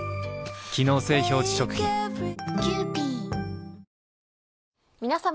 機能性表示食品皆様。